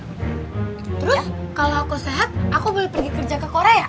terus kalau aku sehat aku boleh pergi kerja ke korea